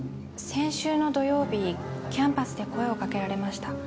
先週の土曜日キャンパスで声をかけられました。